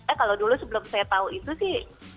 eh kalau dulu sebelum saya tahu itu sih